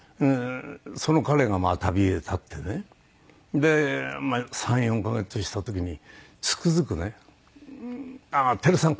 その彼がまあ旅へ立ってね３４カ月した時につくづくねああ輝さん